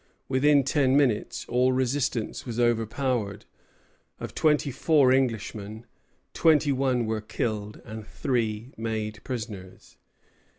Within ten minutes, all resistance was overpowered. Of twenty four Englishmen, twenty one were killed, and three made prisoners.